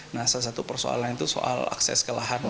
nah salah satu persoalan itu soal akses ke lahan